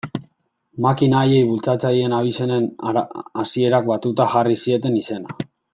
Makina haiei bultzatzaileen abizenen hasierak batuta jarri zieten izena.